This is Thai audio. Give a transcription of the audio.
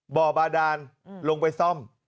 บ่อบาดานลงไปซ่อม